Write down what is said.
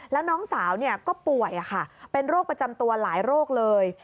แล้วน้องสาวก็ป่วยเป็นโรคประจำตัวหลายโรคเลย